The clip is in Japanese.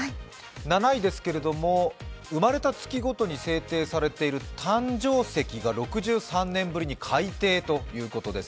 ７位ですけれども、生まれた月ごとに制定されている誕生石が６３年ぶりに改定ということです。